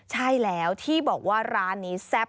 ใช่แล้วที่บอกว่าร้านนี้แซ่บ